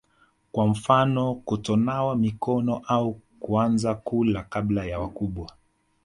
kwa mfano kutonawa mikono au kuanza kula kabla ya wakubwa